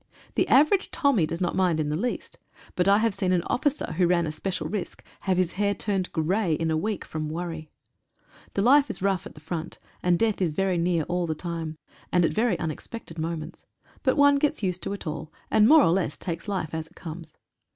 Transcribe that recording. The average Tommy does not mind in the least, but I have seen an officer, who ran a special risk, have his hair turned grey in a week from worry. The life is rough at the front, and death is very near all the time, and at very unexpected moments. But one gets used to it all, and more or less takes life as it comes.